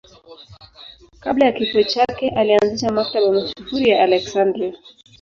Kabla ya kifo chake alianzisha Maktaba mashuhuri ya Aleksandria.